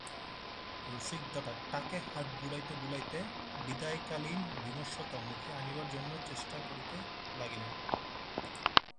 রসিকদাদা টাকে হাত বুলাইতে বুলাইতে বিদায়কালীন বিমর্ষতা মুখে আনিবার জন্য চেষ্টা করিতে লাগিলেন।